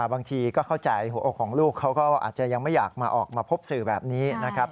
บางทีก็เข้าใจหัวอกของลูกเขาก็อาจจะยังไม่อยากมาออกมาพบสื่อแบบนี้นะครับ